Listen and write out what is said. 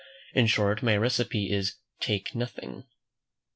In short, my recipe is "Take nothing."